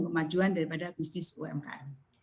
kemajuan daripada bisnis umkm